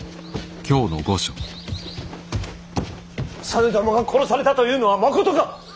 実朝が殺されたというのはまことか！